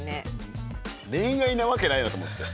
恋愛なわけないなと思って。